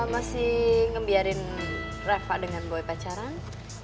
masih ngebiarin reva dengan boy pacaran